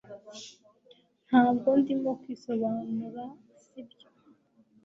Ntabwo ndimo kwisobanura sibyo